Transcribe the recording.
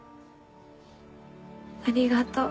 ありがとう。